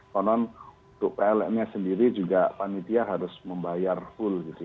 soalnya untuk pln nya sendiri juga panitia harus membayar full